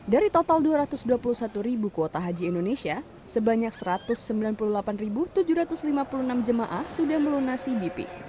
dari total dua ratus dua puluh satu kuota haji indonesia sebanyak satu ratus sembilan puluh delapan tujuh ratus lima puluh enam jemaah sudah melunasi bp